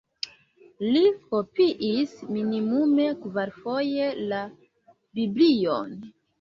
Li kopiis minimume kvarfoje la Biblion.